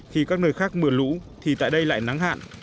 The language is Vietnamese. khi các nơi khác mưa lũ thì tại đây lại nắng hạn